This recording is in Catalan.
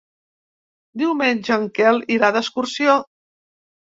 Diumenge en Quel irà d'excursió.